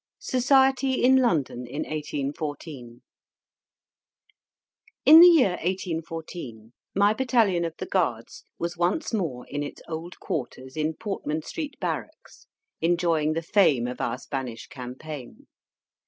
SOCIETY IN LONDON IN 1814 In the year 1814, my battalion of the Guards was once more in its old quarters in Portman Street barracks, enjoying the fame of our Spanish campaign.